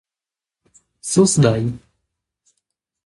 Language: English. This was broken up when Booster Gold again arrives from the future.